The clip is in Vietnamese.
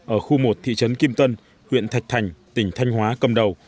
ở khu một thị trấn kim tân huyện thạch thành tỉnh thanh hóa cầm đầu